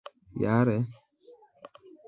jare